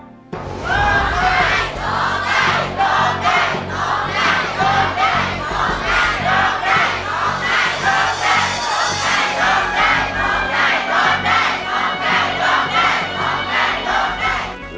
โด่งใจโด่งใจโด่งใจโด่งใจ